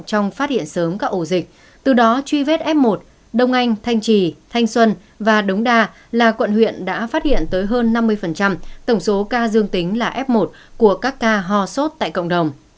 trong phát hiện sớm các ổ dịch từ đó truy vết f một đông anh thanh trì thanh xuân và đống đa là quận huyện đã phát hiện tới hơn năm mươi tổng số ca dương tính là f một của các ca hò sốt tại cộng đồng